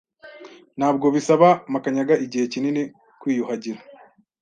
Ntabwo bisaba Makanyaga igihe kinini kwiyuhagira.